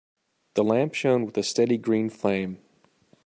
The lamp shone with a steady green flame.